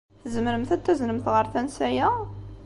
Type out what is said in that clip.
Tzemremt ad t-taznemt ɣer tansa-a?